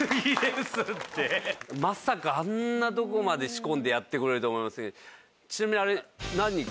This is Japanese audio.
まさかあんなとこまで仕込んでやってくれるとは思いません。